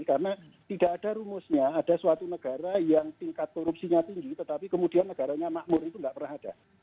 karena tidak ada rumusnya ada suatu negara yang tingkat korupsinya tinggi tetapi kemudian negaranya makmur itu tidak pernah ada